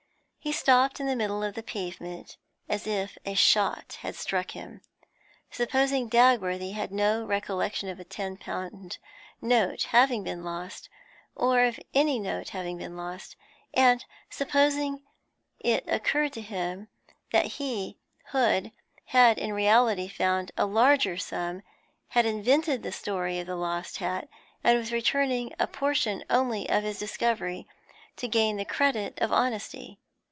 He stopped in the middle of the pavement as if a shot had struck him. Supposing Dagworthy had no recollection of a ten pound note having been lost, nor of any note having been lost; and supposing it occurred to him that he, Hood, had in reality found a larger sum, had invented the story of the lost hat, and was returning a portion only of his discovery, to gain the credit of honesty?